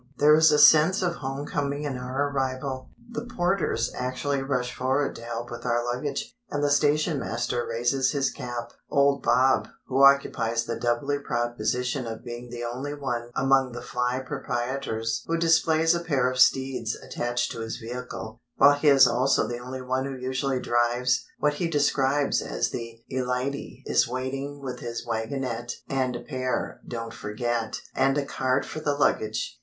There is a sense of home coming in our arrival. The porters actually rush forward to help with our luggage, and the station master raises his cap. Old Bob—who occupies the doubly proud position of being the only one among the fly proprietors who displays a pair of steeds attached to his vehicle, while he is also the one who usually drives what he describes as "the e light y"—is waiting with his wagonette (and pair, don't forget) and a cart for the luggage.